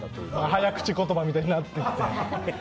早口言葉みたいになっちゃってる。